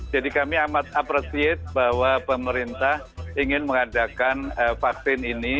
jadi kami amat apresiasi bahwa pemerintah ingin mengadakan vaksin ini